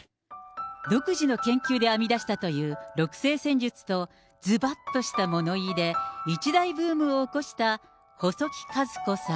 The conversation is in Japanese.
独自の研究で編み出したという六星占術とずばっとした物言いで、一大ブームを起こした細木数子さん。